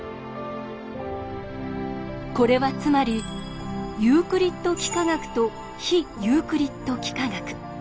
これはつまり「ユークリッド幾何学と非ユークリッド幾何学。